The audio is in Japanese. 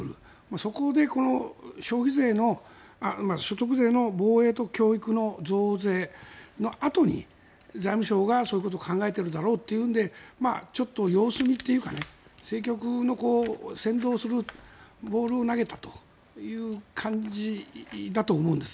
そこで所得税の防衛と教育の増税のあとに財務省がそういうことを考えているだろうというのでちょっと様子見というか政局を先導するボールを投げたという感じだと思うんです。